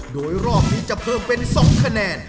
โดยรอบนี้จะเพิ่มเป็น๒คะแนน